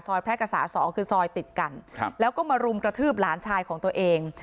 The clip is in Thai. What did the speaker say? แพร่กษาสองคือซอยติดกันครับแล้วก็มารุมกระทืบหลานชายของตัวเอง